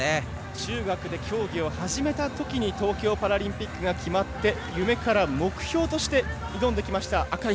中学で競技を始めたときに東京パラリンピックが決まって夢から目標として挑んできました、赤石。